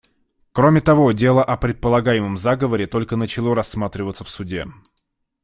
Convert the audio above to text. Кроме того, дело о предполагаемом заговоре только начало рассматриваться в Суде.